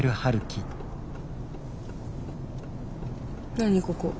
何ここ。